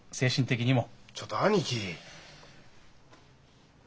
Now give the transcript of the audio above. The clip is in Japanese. ちょっと兄貴。